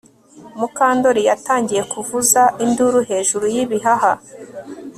Mukandoli yatangiye kuvuza induru hejuru yibihaha